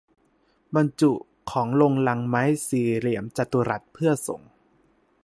บรรจุของลงลังไม้สี่เหลี่ยมจัตุรัสเพื่อส่ง